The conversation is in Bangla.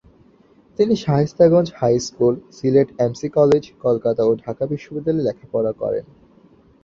তিনি Shaistaganj high school, Sylhet M C college, Kolkata ও ঢাকা বিশ্ববিদ্যালয়ে লেখাপড়া করেন।